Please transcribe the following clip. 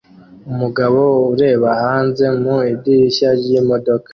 Umugabo ureba hanze mu idirishya ryimodoka